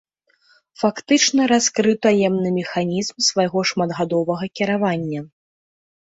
Фактычна раскрыў таемны механізм свайго шматгадовага кіравання.